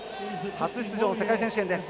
初出場の世界選手権です。